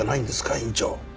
院長。